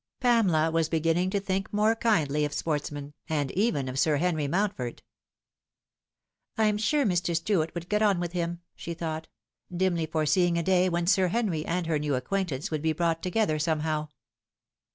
Pamela was beginning to think more kindly of sportsmen, and even of Sir Henry Mountford. "I'm sure Mr. Stuart would get on with him," she thought, dimly foreseeing a day when Sir Henry and her new acquaint ance would be brought together somehow.